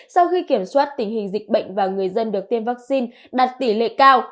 sau khi kiểm soát tình hình dịch bệnh và người dân được tiêm vaccine đạt tỷ lệ cao